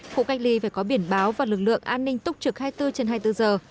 khu cách ly phải có biển báo và lực lượng an ninh túc trực hai mươi bốn trên hai mươi bốn giờ